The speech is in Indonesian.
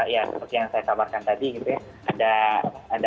ya seperti yang saya kabarkan tadi gitu ya